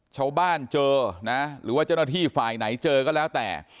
เจอนะหรือว่าเจ้าหน้าที่ฝ่ายไหนเจอก็แล้วแต่